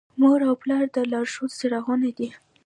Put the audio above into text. مور او پلار د لارښود څراغونه دي.